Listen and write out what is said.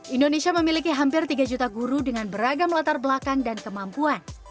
indonesia memiliki hampir tiga juta guru dengan beragam latar belakang dan kemampuan